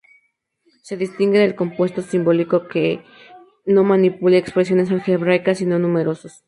Se distingue del cómputo simbólico en que no manipula expresiones algebraicas, sino números.